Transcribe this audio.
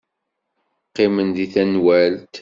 Qqimen deg tenwalt.